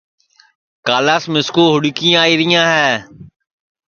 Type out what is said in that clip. کالاس مِسکُو ہُوڈؔکیاں آئیریاں ہے